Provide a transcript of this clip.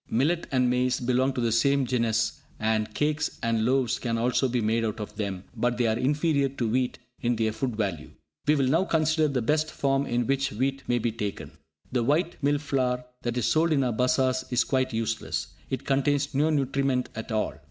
Millet and maize belong to the same genus, and cakes and loaves can also be made out of them, but they are inferior to wheat in their food value. We will now consider the best form in which wheat may be taken. The white "mill flour" that is sold in our bazars is quite useless; it contains no nutriment at all.